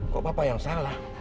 kok papa yang salah